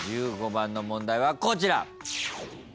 １５番の問題はこちら。